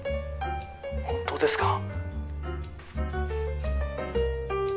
本当ですか？